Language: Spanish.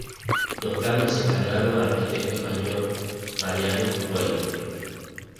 Los planos se encargaron al arquitecto español Mariano Güell.